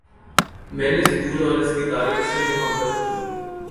میں نے سکول اور اس کی تاریخ سے محبت کی